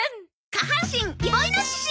下半身イボイノシシ！